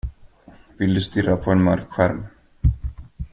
Vill du stirra på en mörk skärm?